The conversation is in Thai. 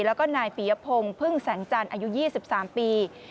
แล้วก็นายปียพงศ์พึ่งแสงจันทร์อายุ๒๓ปี